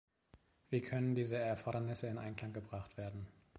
Wie können diese Erfordernisse in Einklang gebracht werden?